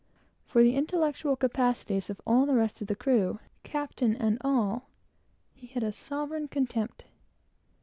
For the intellectual capacities of all the rest of the crew, captain and all, he had the most sovereign contempt.